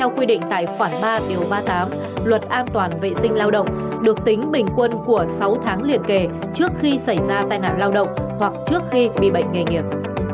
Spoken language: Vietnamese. quy định tài khoản ba điều ba mươi tám luật an toàn vệ sinh lao động được tính bình quân của sáu tháng liên kề trước khi xảy ra tai nạn lao động hoặc trước khi bị bệnh nghề nghiệp